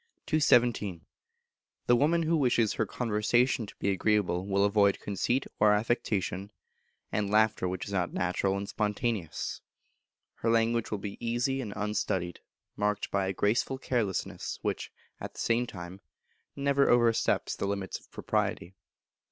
The Woman who wishes her conversation to be agreeable will avoid conceit or affectation, and laughter which is not natural and spontaneous, Her language will be easy and unstudied, marked by a graceful carelessness, which, at the same time, never oversteps the limits of propriety.